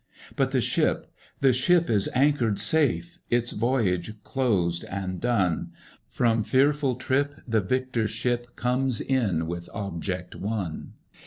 But the ship, the ship is anchored safe, its voyage closed and done: From fearful trip the victor ship comes in with object won!